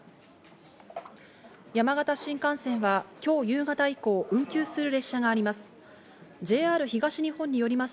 山形新幹線は今日夕方以降、運休する列車があります。